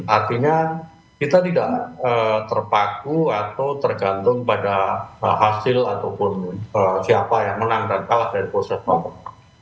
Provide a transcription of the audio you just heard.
artinya kita tidak terpaku atau tergantung pada hasil ataupun siapa yang menang dan kalah dari proses nomor